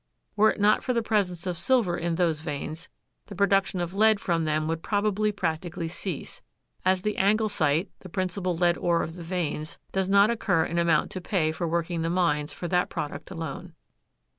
Were it not for the presence of silver in those veins the production of lead from them would probably practically cease, as the anglesite, the principal lead ore of the veins, does not occur in amount to pay for working the mines for that product alone.